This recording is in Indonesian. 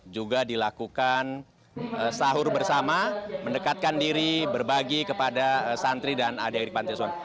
juga dilakukan sahur bersama mendekatkan diri berbagi kepada santri dan adik adik pantiasuhan